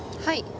はい。